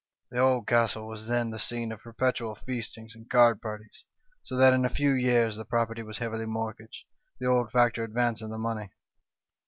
"The old castle was then the scene of perpetual feastings and card parties, so that in a few years the property was heavily mortgaged, the old factor ad vancing the money.